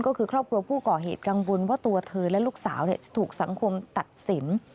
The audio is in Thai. ก็คือครอบครัวผู้ก่อเหตุกังวลว่าตัวเธอและลูกสาวจะถูกสังคมตัดสิน